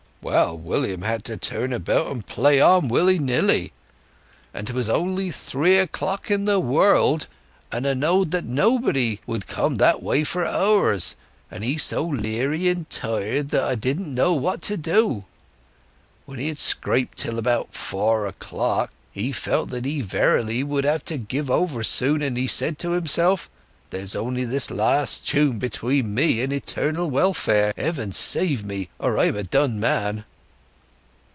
Well, William had to turn about and play on, willy nilly; and 'twas only three o'clock in the world, and 'a knowed that nobody would come that way for hours, and he so leery and tired that 'a didn't know what to do. When he had scraped till about four o'clock he felt that he verily would have to give over soon, and he said to himself, 'There's only this last tune between me and eternal welfare! Heaven save me, or I'm a done man.